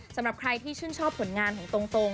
สำหรับใครที่ชื่นชอบผลงานของตรง